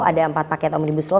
ada empat paket omnibus law